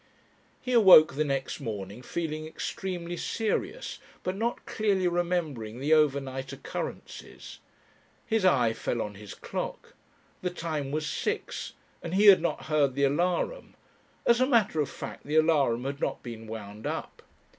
He awoke the next morning feeling extremely serious, but not clearly remembering the overnight occurrences. His eye fell on his clock. The time was six and he had not heard the alarum; as a matter of fact the alarum had not been wound up.